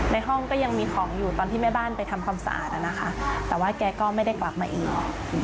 ในห้องก็ยังมีของอยู่ตอนที่แม่บ้านไปทำความสะอาดนะคะแต่ว่าแกก็ไม่ได้กลับมาอีก